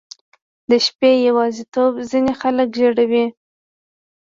• د شپې یواځیتوب ځینې خلک ژړوي.